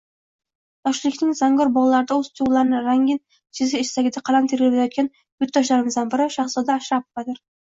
Yoshlikning zangor bogʻlarida oʻz tuygʻulari rangini chizish istagida qalam tebratayotgan yurtdoshlarimizdan biri Shahzoda Ashrapovadir.